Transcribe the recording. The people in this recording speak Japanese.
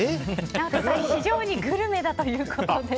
ＮＡＯＴＯさんは非常にグルメだということで。